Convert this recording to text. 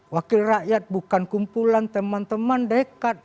wakil rakyat bukan kumpulan teman teman dekat